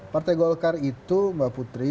partai golkar itu mbak putri